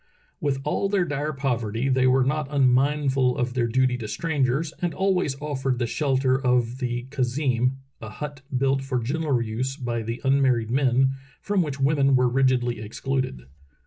With all their dire poverty they were not unmindful of their duty to strangers and always offered the shelter of the khazeem (a hut built for general use by the un married men, from which women are rigidly excluded).